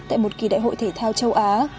tại một kỳ đại hội thể thao châu á